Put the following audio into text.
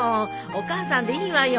お母さんでいいわよ。